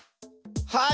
はい！